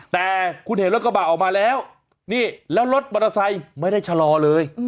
แต่คุณเห็นรถกระบะออกมาแล้วนี่แล้วรถมอเตอร์ไซค์ไม่ได้ชะลอเลย